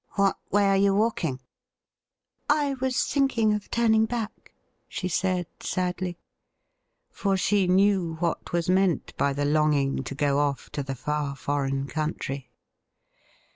What way are you walking ?'' I was thinking of turning back,' she said sadly. For she knew what was meant by the longing to go off to the far foreign country.